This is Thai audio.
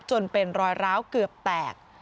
จนเป็นรอยร้าวเกือบแตก